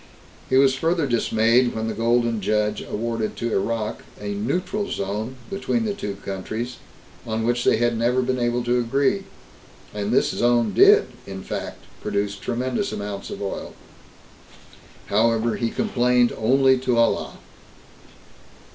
He was further dismayed when the Golden Judge awarded to Iraq a "neutral zone" between the two countries, on which they had never been able to agree, and this zone did, in fact, produce tremendous amounts of oil. However, he complained only to Allah.